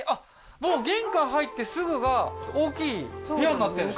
もう玄関入ってすぐが大きい部屋になってるんですね